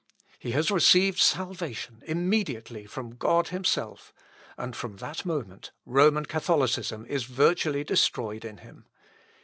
He has received salvation immediately from God himself; and from that moment Roman Catholicism is virtually destroyed in him.